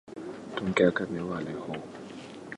تم کیا کرنے والے ہو